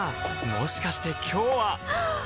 もしかして今日ははっ！